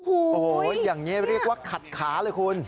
โอ้โหอย่างนี้เรียกว่าขัดขาเลยคุณ